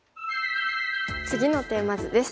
次のテーマ図です。